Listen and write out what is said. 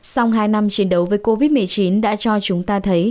sau hai năm chiến đấu với covid một mươi chín đã cho chúng ta thấy